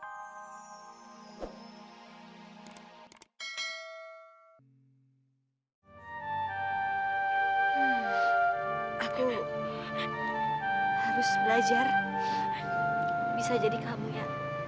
aku harus belajar bisa jadi kamu ya